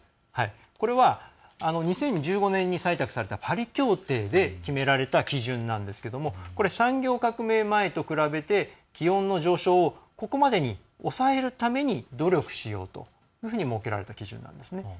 これは、２０１５年に採択されたパリ協定で決められた基準なんですけれども産業革命前と比べて気温の上昇をここまでに抑えるために努力しようというふうに設けられた基準なんですね。